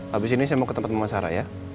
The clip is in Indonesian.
habis ini saya mau ke tempat mama sarah ya